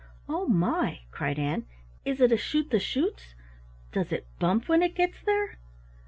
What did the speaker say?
"Oh, my!" cried Ann, "Is it a shoot the chutes? Does it bump when it gets there?"